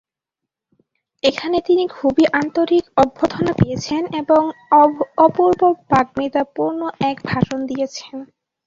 এখানে তিনি খুবই আন্তরিক অভ্যর্থনা পেয়েছেন এবং অপূর্ব বাগ্মিতাপূর্ণ এক ভাষণ দিয়েছেন।